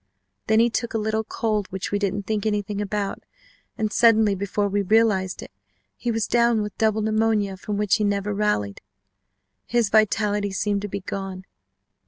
Then he took a little cold which we didn't think anything about, and suddenly, before we realized it, he was down with double pneumonia from which he never rallied. His vitality seemed to be gone.